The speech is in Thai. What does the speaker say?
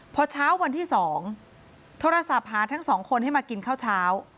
พอเช้าวันที่๒โทรศัพท์หาทั้งสองคนให้มากินข้าวเช้า